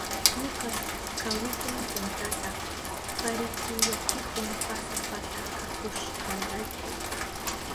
Lucas kawitun puntata parihuyachihun pasa pasa kahushkanrayku.